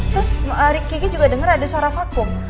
terus kiki juga denger ada suara vakum